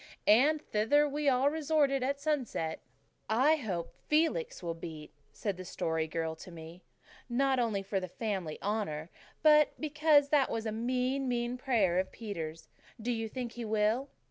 And thither we all resorted at sunset. "I hope Felix will beat," said the Story Girl to me, "not only for the family honour, but because that was a mean, mean prayer of Peter's. Do you think he will?"